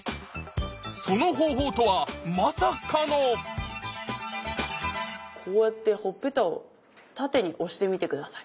その方法とはまさかのこうやってほっぺたを縦に押してみて下さい。